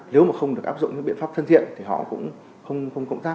nếu mà không được áp dụng những biện pháp thân thiện thì họ cũng không cộng tác